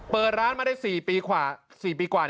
เปิดร้านได้๔ปีกว่า